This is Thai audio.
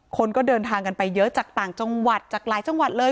คนก็เดินทางกันไปเยอะจากต่างจังหวัดจากหลายจังหวัดเลย